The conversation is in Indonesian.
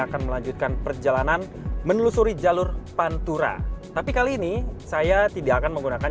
akan melanjutkan perjalanan menelusuri jalur pantura tapi kali ini saya tidak akan menggunakan